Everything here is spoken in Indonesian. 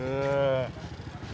tuh kan bu